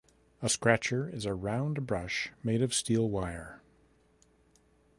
A scratcher is a round brush made of steel wire.